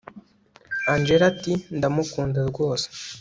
angella ati ndamukunda rwose